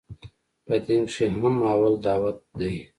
په دين کښې هم اول دعوت ديه.